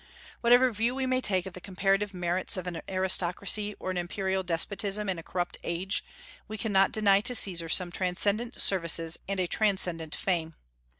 Whatever view we may take of the comparative merits of an aristocracy or an imperial despotism in a corrupt age, we cannot deny to Caesar some transcendent services and a transcendent fame.